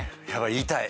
言いたい。